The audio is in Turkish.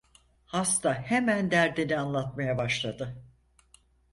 Hasta hemen derdini anlatmaya başladı.